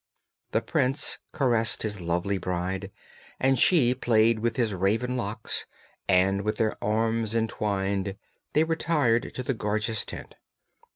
The prince caressed his lovely bride and she played with his raven locks, and with their arms entwined they retired to the gorgeous tent.